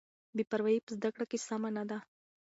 بې پروایي په زده کړه کې سمه نه ده.